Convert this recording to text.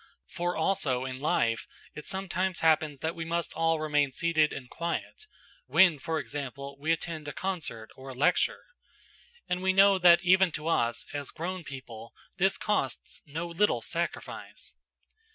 For also, in life, it sometimes happens that we must all remain seated and quiet; when, for example, we attend a concert or a lecture. And we know that even to us, as grown people, this costs no little sacrifice.